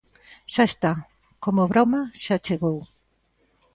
Xa está, como broma xa chegou.